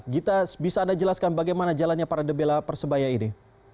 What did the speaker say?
gita bisa anda jelaskan bagaimana jalannya para debela persebaya ini